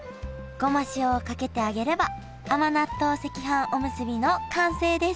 ごま塩をかけてあげれば甘納豆赤飯おむすびの完成です！